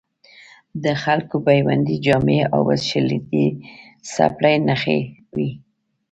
د خلکو بیوندي جامې او شلېدلې څپلۍ نښې وې.